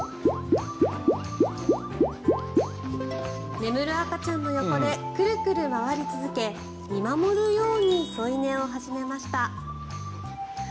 眠る赤ちゃんの横でクルクル回り続け見守るように添い寝を始めました。